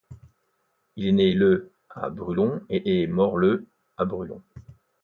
Il est né le à Brûlon, et est mort le à Brûlon.